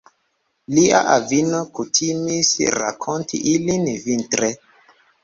Lia avino kutimis rakonti ilin vintre.